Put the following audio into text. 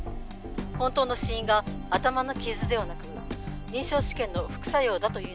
本当の死因が頭の傷ではなく臨床試験の副作用だというんです。